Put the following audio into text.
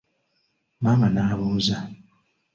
Maama n'abuuza.